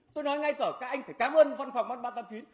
tôi nói ngay tỏa các anh phải cám ơn văn phòng bán bán tăng phí